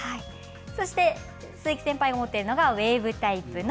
そして鈴木先輩が持っているのがウエーブタイプの